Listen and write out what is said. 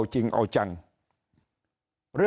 สวัสดีครับท่านผู้ชมครับสวัสดีครับท่านผู้ชมครับ